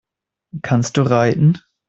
Kannst du reiten?